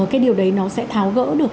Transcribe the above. cái điều đấy nó sẽ tháo gỡ được